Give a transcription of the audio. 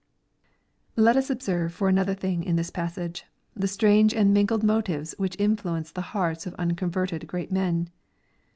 Let us observe, for another thing, in this passage, the strange and mingled motives which influence the hearts of unconverted great men.